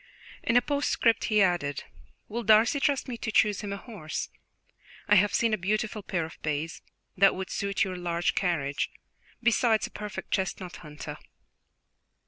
In a postscript he added: "Will Darcy trust me to choose him a horse? I have seen a beautiful pair of bays, that would suit your large carriage, besides a perfect chestnut hunter."